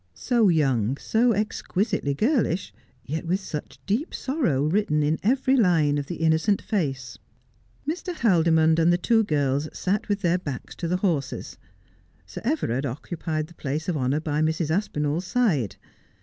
So young,'so exquisitely girlish, yet with such deep sorrow written in every line of the innocent face. Mr. Haldimond and the two girls sat with their backs to the horses. Sir Everard occupied the place of honour by Mrs. Aspinall's side.